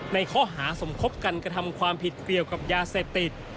ในข้อหาสมคบกันกระทำความผิดเกี่ยวกับยาเสพติด